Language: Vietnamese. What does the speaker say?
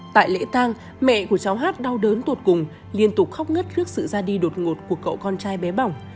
tại lễ tăng mẹ của cháu h đau đớn tụt cùng liên tục khóc ngất trước sự ra đi đột ngột của cậu con trai bé bỏng